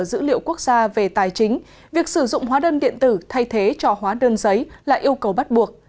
dữ liệu quốc gia về tài chính việc sử dụng hóa đơn điện tử thay thế cho hóa đơn giấy là yêu cầu bắt buộc